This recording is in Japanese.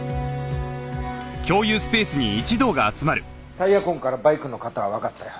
タイヤ痕からバイクの型はわかったよ。